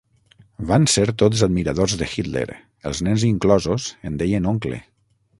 Van ser tots admiradors de Hitler, els nens inclosos en deien oncle.